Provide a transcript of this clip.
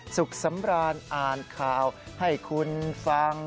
สุขสำราญอ่านข่าวให้คุณฟัง